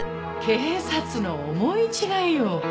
警察の思い違いよ。